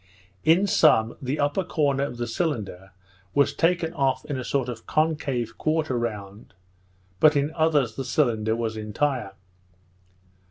In some, the upper corner of the cylinder was taken off in a sort of concave quarter round, but in others the cylinder was entire.